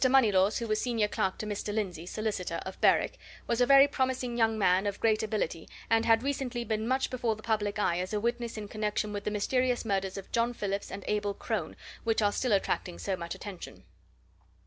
Moneylaws, who was senior clerk to Mr. Lindsey, solicitor, of Berwick, was a very promising young man of great ability, and had recently been much before the public eye as a witness in connection with the mysterious murders of John Phillips and Abel Crone, which are still attracting so much attention."